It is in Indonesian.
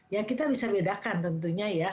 ya kita bisa bedakan tentunya ya